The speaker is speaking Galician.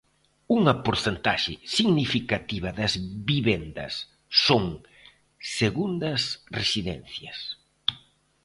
Unha porcentaxe significativa das vivendas son segundas residencias.